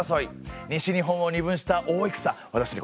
西日本を二分した大戦私ね